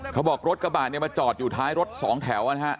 เขาบอกรถกระบะเนี่ยมาจอดอยู่ท้ายรถสองแถวนะฮะ